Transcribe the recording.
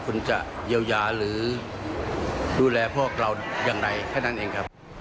คุณจะเยียวยาหรือดูแลพวกเราอย่างไรแค่นั้นเองครับ